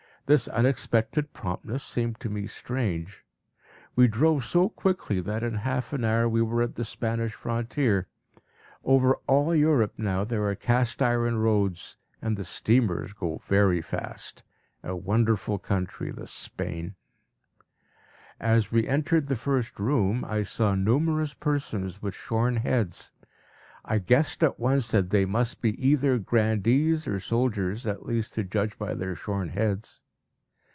This unexpected promptness seemed to me strange. We drove so quickly that in half an hour we were at the Spanish frontier. Over all Europe now there are cast iron roads, and the steamers go very fast. A wonderful country, this Spain! As we entered the first room, I saw numerous persons with shorn heads. I guessed at once that they must be either grandees or soldiers, at least to judge by their shorn heads.